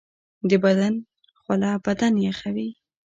د بدن خوله بدن یخوي